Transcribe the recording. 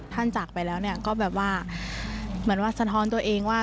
จากไปแล้วเนี่ยก็แบบว่าเหมือนว่าสะท้อนตัวเองว่า